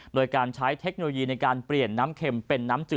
โดยการใช้เทคโนโลยีในการเปลี่ยนน้ำเข็มเป็นน้ำจืด